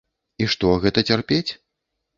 І што, гэта цярпець?